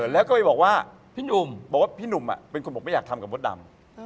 แล้วก็ไปบอกว่าพี่หนุ่มเป็นคนบอกว่าไม่อยากทำกับมดดำ